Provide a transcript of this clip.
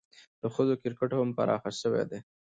د ښځو کرکټ هم پراخه سوی دئ.